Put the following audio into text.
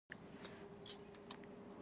آیا او اصلي ځواک نه دی؟